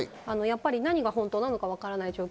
何が本当なのか分からない状況。